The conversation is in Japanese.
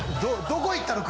どこ行ったの？